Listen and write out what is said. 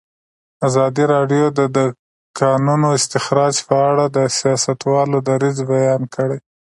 ازادي راډیو د د کانونو استخراج په اړه د سیاستوالو دریځ بیان کړی.